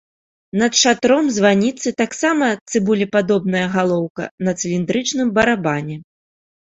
Над шатром званіцы таксама цыбулепадобная галоўка на цыліндрычным барабане.